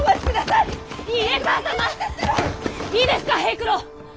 いいですか平九郎。